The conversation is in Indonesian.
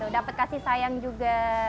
dapat kasih sayang juga